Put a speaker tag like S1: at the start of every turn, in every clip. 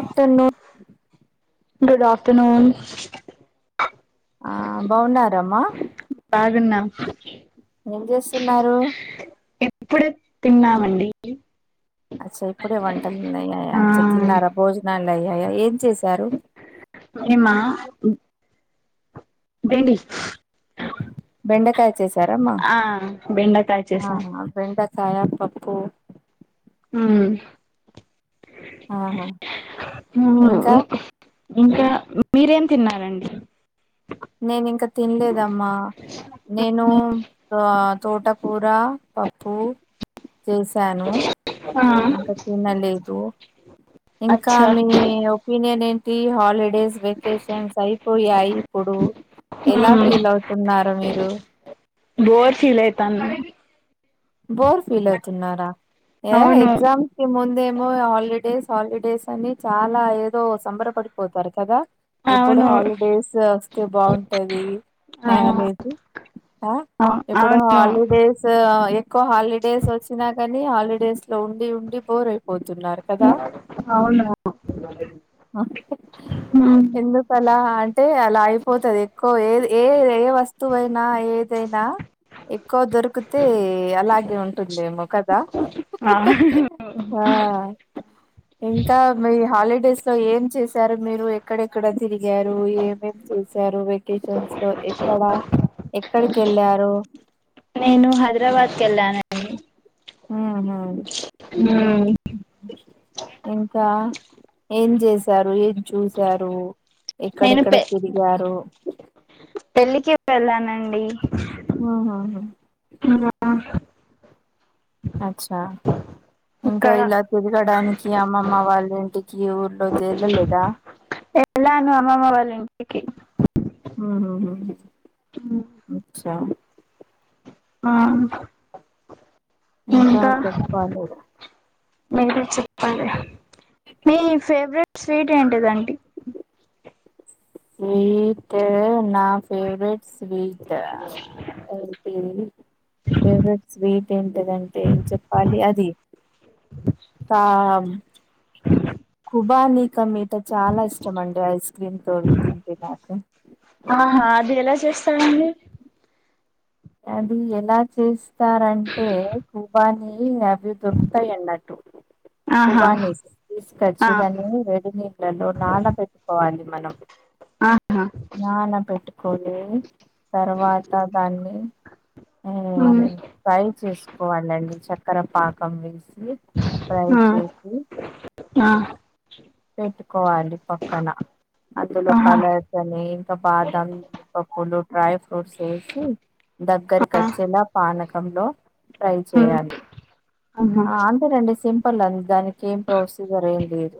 S1: After noon
S2: good afternoon
S1: ఆ బాగున్నారమ్మా
S2: బాగున్నాం
S1: ఏం చేస్తున్నారు
S2: ఇప్పుడే తిన్నామండి ఇడ్లీ
S1: అచ్చ ఇప్పుడే వంటలు అన్ని అయ్యాయా తిన్నారా భోజనాలు అయ్యాయా ఏం తిన్
S2: ఏమ్మా భేండి
S1: బెండకాయ చేసారమ్మా
S2: ఆ బెండకాయ
S1: ఆ
S2: చేసాం
S1: బెండకాయ పప్పు ప్పు
S2: హ్మ్
S1: ఆహా ఇంకా
S2: మ్మ్ ఇంకా మీరేం తిన్నారండి
S1: నేను ఇంకా తినలేదమ్మా నేను ఆ తోట కూర పప్పు చేసాను
S2: ఆ
S1: ఇంకా తినలేదు ఇంకా
S2: అచ్చా
S1: మీ ఒపీనియన్ ఏంటి హాలిడేస్ వెకేషన్స్ అయిపోయాయి ఇప్పుడు ఎలా
S2: మ్మ్
S1: ఫీల్ అవుతున్నారు మీరు
S2: బోర్ ఫీల్ అయితే అన్నా నేను
S1: బోర్ ఫీల్ అవుతున్నారా ఏ
S2: అవును
S1: ఎగ్జామ్స్ కి ముందేమో హాలిడేస్ హాలిడేస్ అని చాలా ఏదో సంబరపడిపోతారు కదా ఎప్పుడు
S2: అవును
S1: హాలిడేస్ వస్తే బాగుంటది
S2: ఆ
S1: అనేది ఆ
S2: అవు-
S1: ఇప్పుడు
S2: అవును
S1: హాలిడేస్ ఎక్కువ హాలిడేస్ వచ్చినా కాని హాలిడేస్ ఇంట్లో ఉండి ఉండి బోర్ అయిపోతున్నారు కదా.
S2: అే
S1: అవును. ఎందుక అలా అంటే అలా అయిపోతుది ఎక్కువ ఏది ఏ వస్తువు. ఎటు పోయినవ్ ఏదైనా ఎక్కువ దొరికితే. అలాగే ఉంటుందేమో కదా
S2: ఆ
S1: ఆ. ఇంకా మీ హాలిడేస్. లొ ఏం చేశారు మీరు ఎక్కడెక్కడ తిరిగారు ఏమేం చేశారు. లో ఎక్కడ ఎక్కడికి వెళ్ళారు.
S2: నేను హైదరాబాద్ కి వెళ్ళానండి.
S1: ఆహ.
S2: మ్మ్
S1: ఇంకా ఏం చేసారు ఏం చూసారు.
S2: నేను
S1: ఎక్కడెక్కడ
S2: పె
S1: తిరిగారు.
S2: పెళ్ళికి వెళ్ళానండి
S1: ఆహ. అచ్చ. ఇంకా
S2: ఇక్కడ
S1: ఇలా తిరగడానికి అమ్మమ్మ వాళ్ళ ఇంటికి ఊర్లో తలవలేదా.
S2: ఎట్లానొ అమ్మమ్మ. నికి.
S1: ఉహుహు అచ్చా
S2: ఆ.
S1: ఇంకా చెప్పాలి.
S2: మీ ఫేవరెట్ స్వీట్ ఏంటిదండి.
S1: స్వీట్ నా ఫేవరెట్ స్వీట్. ఐపోయింది. ఫేవరెట్ స్వీట్ ఏంటదంటే ఏం చెప్పాలి అది. కా కుబాని. ఇంకా మీతో చాలా ఇష్టం అండి ఐస్ క్రీమ్. ఓకే నాకు.
S2: టెస్టు ఐంది.
S1: అది ఎలా చేస్తారంటే కుబాని హ. వి దొరుకుతాయి అన్నట్టు.
S2: ఆహా
S1: కుబానిస్
S2: ఆ
S1: దాన్ని వేడి నీళ్ళలో నానబెట్టుకోవాలి మనం.
S2: ఆహా
S1: నానబెట్టుకొని తర్వాత దాన్ని. ఉమ్ ఫ్రై చేసుకోవాలండి చక్కెర పాకం వేసి. ఫ్రై
S2: ఆ,
S1: చేసి.
S2: ఆ.
S1: పెట్టుకోవాలి పక్కన అందులో
S2: ఆహా
S1: కలర్స్ అని. తో పాటూ అన్ని పప్పులు డ్రై ఫ్రూట్స్ వేసి. దగ్గరక
S2: ఆ,
S1: వచ్చేలా పానకంలో ట్రై
S2: ఉమ్,
S1: చేయాలి.
S2: ఆహా,
S1: ఆ అంతేనండి సింపుల్ అ దానికి ఏం ప్రొసీజర్ ఏం లేదు.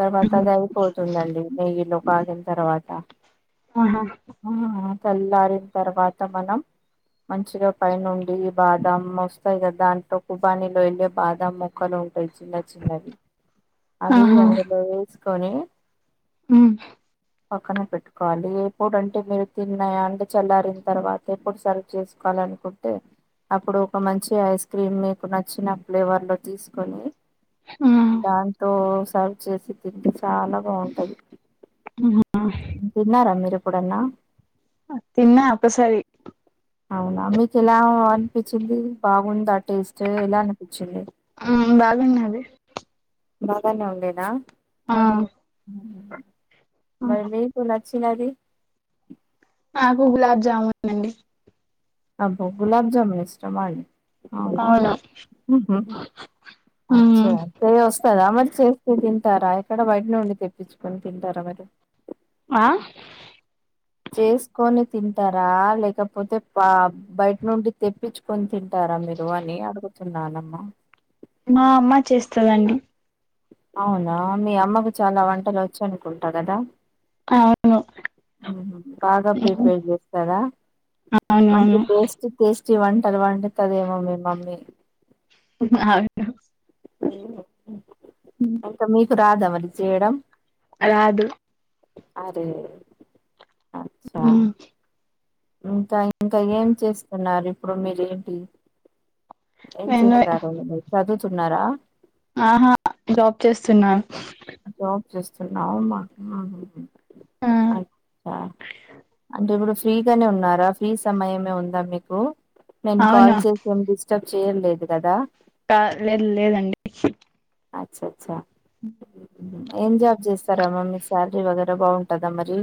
S1: తర్వాత
S2: ఉమ్,
S1: అది అయిపోతుందండి నెయ్యిలో కాగిన తర్వాత.
S2: ఆ.
S1: ఆ చల్లారిన తర్వాత మనం. మంచిగా పైనుండి బాదం వస్తాయి కదా దాంట్లో. వాణలో వెళ్ళే బాదం మొక్కలు ఉంటాయి చిన్న చిన్నవి. అవి అందులో వేసుకొని.
S2: ఉ
S1: పక్కన పెట్టుకోవాలి ఎప్పుడు అంటే మీరు తిన్నాయా అంటే చల్లారిన తర్వాత ఎప్పుడు సర్వ్ చేసుకోవాలి కావాలనుకుంటే అప్పుడు ఒక మంచి ఐస్ క్రీమ్ మీ నాకు నచ్చిన ఫ్లేవర్ లో తీసుకొని
S2: ఆ,
S1: దాంతో సర్వ్ చేసి తింటే చాలా బాగుంటది
S2: ఉమ్.
S1: తిన్నారా మీరు ఇప్పుడన్నా
S2: తిన్నా ఒక్కసారి
S1: అవునా మీకు ఎలా అనిపించింది బాగుందా టేస్ట్ ఎలా అనిపించింది
S2: ఆ బాగున్నది
S1: బాగానే వండినా
S2: ఆ ఉమ్.
S1: మరి మీకు నచ్చినది
S2: నాకు గులాబ్ జామున్ అండి
S1: అబ్బో గులాబ్ జామ్ ఇష్టమా అండి అవునా
S2: అవును
S1: అచ్చ
S2: మ్మ్
S1: ఏ వస్తా కదా మరి చేస్తూ తింటారా ఎక్కడ బయట నుండి తెప్పించుకొని తింటారా మరి
S2: ఆ
S1: చేసుకొని తింటారా లేకపోతే పా బయట నుండి తెప్ తేప్పించుకొని తింటారా మీరు అని అడుగుతున్నానమ్మా
S2: మా అమ్మ చేస్తదండి
S1: అవునా మీ అమ్మకు చాలా వంటలు వచ్చు అనుకుంటా కదా
S2: అవును
S1: బాగా ప్రిపేర్ చేస్తారా
S2: అవునవును
S1: మంచి టేస్టీ టెస్ట్ వంటలు వంటతుదేమో మీ మమ్మీ
S2: మా అవును
S1: అంక మీకు రాదా మరి చేయడం
S2: రాదు
S1: అరే అచ్చా
S2: మ్
S1: ఇంకా ఇంకా ఏం చేస్తున్నారు ఇప్పుడు మీరేంటి ఏం
S2: నేను
S1: చేస్తారు మీరు చదువుతున్నారా
S2: ఆహా జాబ్ చేస్తున్నాను
S1: జాబ్ చేస్తున్నావు మాకు మా
S2: ఆ
S1: అచ్చ అంటే ఇప్పుడు ఫ్రీగానే ఉన్నారా ఫ్రీ సమయమే ఉందా మీకు నేను
S2: అవునా
S1: కాల్ చేసిం బ్ చేయలేదు కదా
S2: కా లేదు లేదండి
S1: అచ్చ అచ్చ
S2: ఉ
S1: ఏం జాబ్ చేస్తారామ్మా మీ శాలరీ వగర బాగుంటదా మరి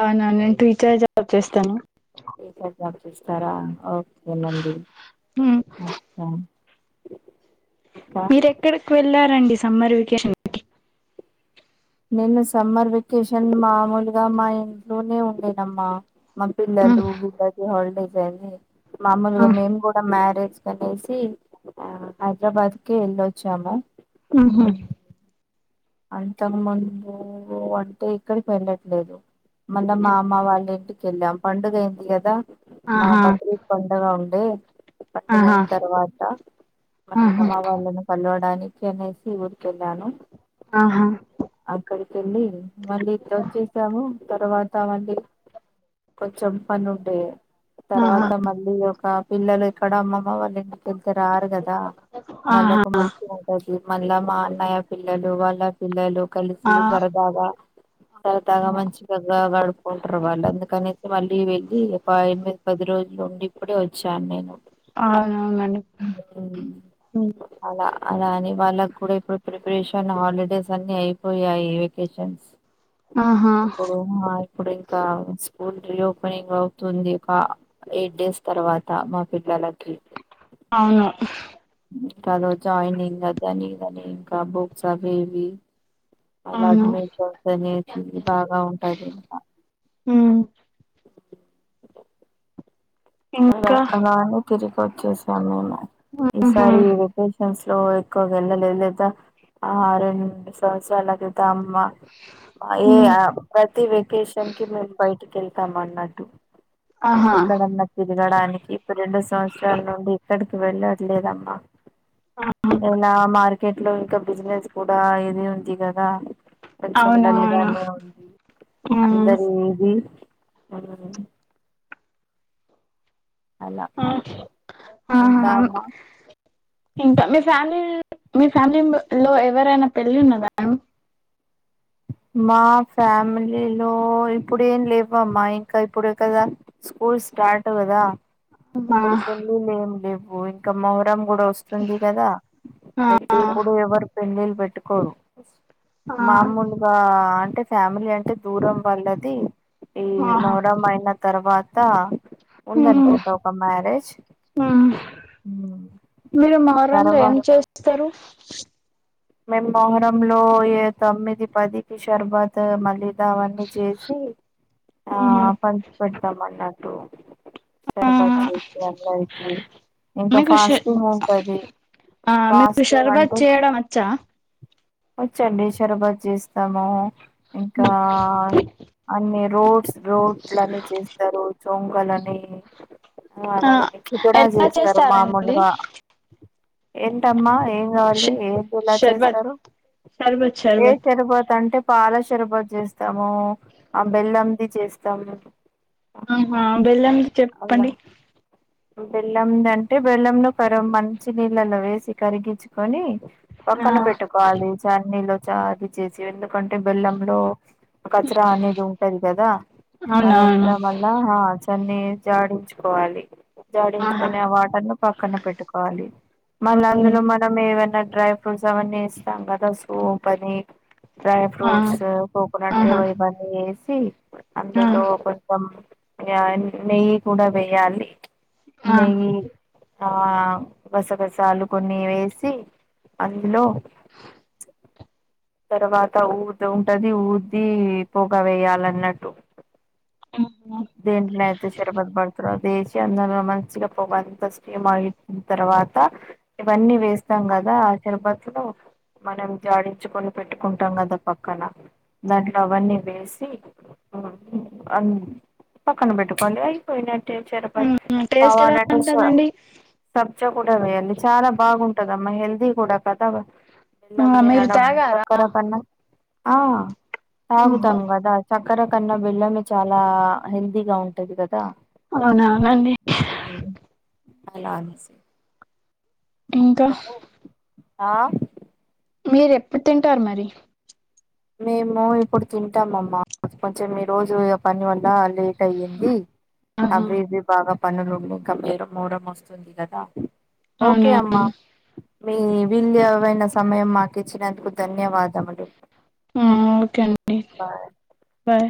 S2: అవునా నేను టీచర్ జాబ్ చేస్తాను
S1: టీచర్ జాబ్ చేస్తారా ఓకేనండి
S2: మ్మ్
S1: అ ఆ [inaudible]
S2: మీర ఎక్కడికి వెళ్ళారండి సమ్మర్ వెకేషన్ కి
S1: నేను సమ్మర్ వెకేషన్ మామూలుగా మా ఇంట్లోనే ఉండేనమ్మా మా
S2: మ్మ్
S1: పిల్లలు వీళ్లకి హాలిడేస్ అది మామలుగా మేము కూడా మ్యారేజ్ కనేసి ఆ హైదరాబాద్ కి వెళ్ళొచ్చాము
S2: హూ హమ్
S1: అంతకు ముందు అంటే ఎక్కడికి వెళ్ళట్లేదు మళ్ళ మా అమ్మ వాళ్ళ ఇంటికిెళ్ళాం పండుగ అయింది కదా మా
S2: ఆహా
S1: బక్రీద్ పండుగ ే పండుగ
S2: ఆహా
S1: అన తర్వాత
S2: ఆహా
S1: మళ్ళలమా వాళ్ళను కలు [unintelligible] దానికి అనేసి వూరి కెల్లాను
S2: ఆహా
S1: వెల్లి మళ్ళీ ఇట్లా వచ్చేసాము తర్వాత మళ్ళీ కొంచెం పని ఉంటే
S2: ఆహా
S1: తర్వాత మళ్ళీ ఒక పిల్లల ఇక్కడ అమ్మమ్మ వాళ్ళ ఇంటికెళ్తే రారు కదా వాళ్ళకు మంచిగా ఉంటది మళ్ళా మా అన్నయ్య పిల్లలు వాళ్ళ పిల్లలు కలిసి
S2: ఆహా
S1: సరదాగా సరతగా
S2: ఆ
S1: మంచి ద [unintelligible] గ్ గడుపుకుంట్రవల్ అందుకని మళ్ళీ వెళ్ళి ఒక ఎనిమిది పది రోజులు ఉండి ఇప్పుడే వచ్చాను నేను
S2: అవునవునండి
S1: ఉం
S2: ఉమ్
S1: అలా అలా అని వాళ్ళకి కూడా ఇప్పుడు ప్రిపరేషన్ హాలిడేస్ అన్ని అయిపోయాయి వెకేషన్స్
S2: ఆహా
S1: ఇప్పుడు ఆ ఇప్పుడు ఇంకా స్కూల్ రీఓపెనింగ్ అవుతుంది ఒక ఎయిట్ డేస్ తర్వాత మా పిల్లలకి
S2: అవును
S1: ఇంక అదో జాయినింగ్ అదని ఇదని ఇంకా బుక్స్ అవి ఇవి వాళ్ళ
S2: అవును
S1: అడ్వంచర్స్ అనేసి బాగా ఉంటది ఇంకా
S2: ఉం ఇంకా
S1: అలాగనే తిరిగి వచ్చేసాం మేము
S2: ఆహా
S1: ఈసారి వెకేషన్స్ లో ఎక్కువగా వెళ్ళలేదు లేదా ఆ రెండు సంవత్సరాల క్రితం మా ఏ
S2: ఉమ్
S1: ప్రతి వెకేషన్ కి మేము బయటికి వెళ్తాం అన్నట్టు
S2: ఆహా
S1: ఎక్కడన్నా తిరగడానికి ఇప్పుడు రెండు సంవత్సరాల నుండి ఎక్కడికి వెళ్ళట్లేదమ్మా అయినా మార్కెట్ లో ఇంకా బిజినెస్ కూడా ఇది ఉంది కదా కొంచెం
S2: అవునవును
S1: డల్గానే ఉంది
S2: ఉమ్
S1: అందరు ఇది ఆ
S2: ఆ
S1: ఇంకా
S2: ఆహా
S1: అమ్మా
S2: ఇంకా మీ ఫ్యామిలీ మీ ఫ్యామిలీ లో ఎవరైనా పెళ్లి ఉన్నదా మ
S1: మా ఫ్యామిలీలో ఇప్పుడేం లేవమ్మా ఇంకా ఇప్పుడే కదా స్కూల్ స్టార్ట్ కదా
S2: ఆ
S1: ఇప్పుడు పెళ్ళి లేం లేవు ఇంకా మొహరం కూడా వస్తుంది కదా
S2: ఆ
S1: అయితే ఇప్పుడు ఎవరు పెళ్ళిల్లు పెట్టుకోరు
S2: ఆ
S1: మామూలుగా అంటే ఫ్యామిలీ అంటే అంటే దూరం వల్లది ఈ
S2: ఆహా
S1: మొహరం అయిన తర్వాత
S2: ఉమ్
S1: ఉందనుకుంటా ఒక మ్యారేజ్
S2: ఉమ్ మీరు మోహరంలో
S1: తర్వా
S2: ఏం చేస్తారు
S1: మేము మొహరంలో తొమ్మిది పదికి షర్బత్ మళ్ళీ అవన్నీ చేసి ఆ
S2: ఉహు
S1: పంచి పెడతాం అన్నట్టు స
S2: ఆ
S1: [unintelligible] అందరికి ఇంకా
S2: మీకు ష
S1: ఫాస్టి ఉంపది
S2: ఆ మీకు షర్బత్ చేయడం వచ్చా
S1: వచ్చండి షర్బత్ చేస్తాము ఇంకా అన్ని రోడ్స్ రోడ్లున్న చేస్తారు చోం లని
S2: ఆ
S1: అవన్నీ కిచడా
S2: ఎలా
S1: చేస్తారు
S2: చేస్తారండి
S1: మామూలుగా ఎంటమ్మా
S2: ష
S1: ఏంగావాలి ఏం కూలర్
S2: షర్బత్
S1: చేస్తారు
S2: షర్బత్
S1: ఏ
S2: షర్బత్
S1: చెరిపోత అంటే పాల చెరబతు చేస్తాము ఆ బెల్లంది చేస్తాము
S2: ఆహా బెళ్ళం ది చెప్పండి
S1: బెల్లం అంటే బెల్లం ను కర మంచి నీళ్ళలో వేసి కరిగించుకొని
S2: ఆ
S1: పక్కన పెట్టుకోవాలి చన్నీలో చ అది చేసి ఎందుకంటే బెల్లంలో కచరా అనేది ఉంటది కదా
S2: అవునవును
S1: అదంతా మల్ళ దన్ని జాడించుకోవాలి
S2: ఆహా
S1: జాడించుకొని ఆ వాటర్ను పక్కన పెట్టుకోవాలి మళ్ళీ
S2: అవును
S1: అందులో మనం ఏవన్నా డ్రై ఫ్రూట్స్ అవన్నీ ఏస్తాం కదా సోపని డ్రై
S2: ఆ
S1: ఫ్రూట్స్ కోకోనట్
S2: ఆహా
S1: ఇవ ఇవన్నీ వేసి
S2: ఆ
S1: అందులో కొంచెం న్యా నెయ్యి కూడా వేయాలి
S2: ఆ
S1: నెయ్యి ఆ రసగసాలు కొన్ని వేసి అందులో తర్వాత ఊది ఉంటది ఊది పొగ వేయాలన్నట్టు దేంటనే అయితు చెర్బతు పడ్తరో అదేేశీ అందలొ మంచిగా పొగంత స్కెమ్ అయిన తర్వాత ఇవన్నీ వేస్తాం కదా ఆ శరబాద్ లో మనం జాడించుకొని పెట్టుకుంటాం కదా పక్కన దాంట్లో అవన్నీ వేసి అన్ పక్కన పెట్టుకోండి అవిపోయిండె చరబత్
S2: మ్మ్ టేస్ట్ ఎలా
S1: కావనట
S2: ఉంటదండి
S1: సబ్జ కూడా వేయాలి చాలా బాగుంటదమ్ మ్మ హెల్ది కుడ కదవ బెల్లం
S2: ఆ మీరు
S1: దినడం
S2: తాగారా
S1: చక్కర కన్నా ఆ
S2: ఆహా
S1: తాగుతాం గదా చక్ క్కర కన్నా బెల్లమే చాలా హెల్దీగా ఉంటది కదా
S2: అవునా అండి
S1: అలా అనేసి
S2: ఇంకా
S1: అందుకని ఆ
S2: మీరు ఎప్పుడు తింటారు మరి
S1: మేము ఇప్పుడు తింటాంమ్మా కొంచెం ఈ రోజు పని వల్ల లే అయ్యంది
S2: ఆహా
S1: అవ్వివ్వి బాగా పనులుండి ఇంకా మేర మూరం వస్తుంది కదా ఓకే
S2: అవునా
S1: అమ్మా మీ విల్యావైన సమయం మాకిచ్చినందుకు ధన్యవాదములు
S2: ఉ ఓకే అండి
S1: బాయ్
S2: బాయ్